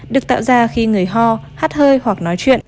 được tạo ra khi người ho hát hơi hoặc nói chuyện